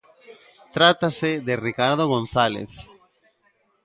Tratase de Ricardo González.